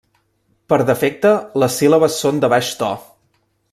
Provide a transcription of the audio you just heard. Per defecte, les síl·labes són de baix to.